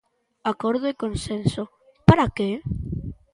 Acordo e consenso, ¿para que?